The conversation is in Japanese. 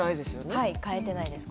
はい変えてないです